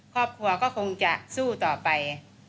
ครอบครัวก็คงจะสู้ต่อไป